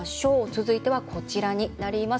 続いては、こちらになります。